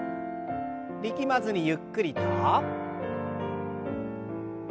力まずにゆっくりと。